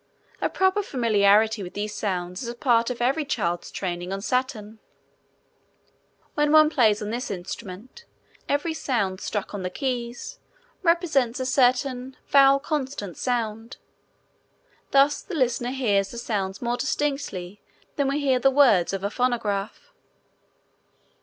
A proper familiarity with these sounds is a part of every child's training on Saturn. When one plays on this instrument every sound struck on the keys represents a certain vowel consonant sound. Thus the listener hears the sounds more distinctly than we hear the words of a phonograph.